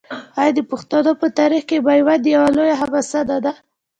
آیا د پښتنو په تاریخ کې میوند یوه لویه حماسه نه ده؟